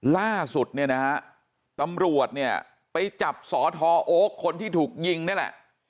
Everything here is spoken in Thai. ล่าสุดเนี่ยนะฮะตำรวจเนี่ยไปจับสอทอโอ๊คคนที่ถูกยิงนี่แหละ